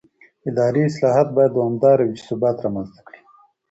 اداري اصلاحات باید دوامداره وي چې ثبات رامنځته کړي